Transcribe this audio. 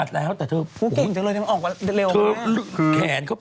อัดแล้วแต่เก่งจังเลยออกมันเร็วมาก